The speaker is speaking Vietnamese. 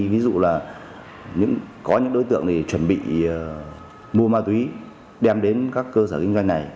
ví dụ là có những đối tượng chuẩn bị mua ma túy đem đến các cơ sở kinh doanh này